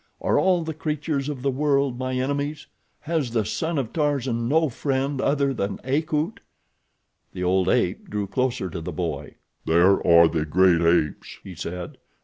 Are all the creatures of the world my enemies? Has the son of Tarzan no friend other than Akut?" The old ape drew closer to the boy. "There are the great apes," he said.